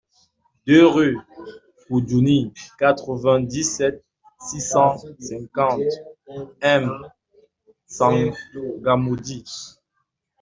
deux rue Koudjouni, quatre-vingt-dix-sept, six cent cinquante, M'Tsangamouji